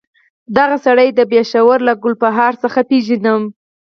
دغه سړی د پېښور له ګلبهار څخه پېژنم.